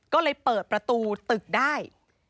ก็เลยเปิดประตูตึกได้